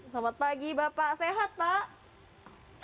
selamat pagi bapak sehat pak